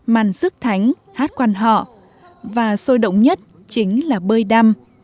màn sức thánh hát quan họ và sôi động nhất chính là bơi đăng